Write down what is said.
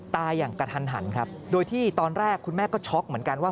อย่างกระทันหันครับโดยที่ตอนแรกคุณแม่ก็ช็อกเหมือนกันว่า